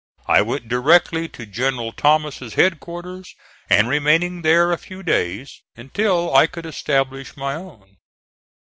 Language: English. I went directly to General Thomas's headquarters, and remaining there a few days, until I could establish my own.